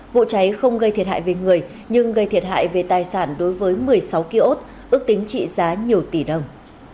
vụ cháy không gây thiệt hại về người nhưng gây thiệt hại về tài sản đối với một mươi sáu kiosk ước tính trị giá nhiều tỷ đồng